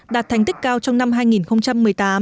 đạt thành tích cao trong năm hai nghìn một mươi tám